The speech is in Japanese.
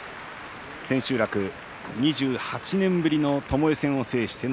千秋楽、２８年ぶりのともえ戦を制しました。